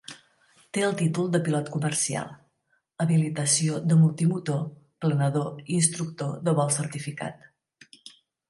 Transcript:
Té el títol de pilot comercial, habilitació de multimotor, planador i instructor de vol certificat.